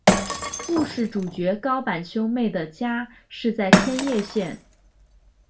故事主角高坂兄妹的家是在千叶县。